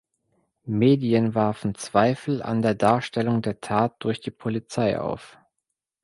Medien warfen Zweifel an der Darstellung der Tat durch die Polizei auf.